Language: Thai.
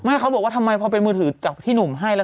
เขาบอกว่าทำไมพอเป็นมือถือจากพี่หนุ่มให้แล้ว